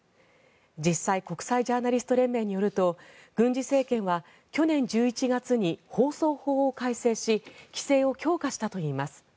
実際国際ジャーナリスト連盟によると軍事政権は去年１１月に放送法を改正し規制を強化したといいます。